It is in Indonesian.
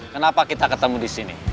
kenapa kita ketemu disini